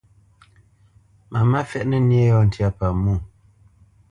Mamá fɛ́ʼnǝ nyé yɔ̂ ntyá pamwô.